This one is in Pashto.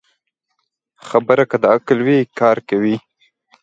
خبره که د عقل وي، کار کوي